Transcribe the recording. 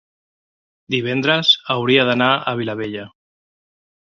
Divendres hauria d'anar a la Vilavella.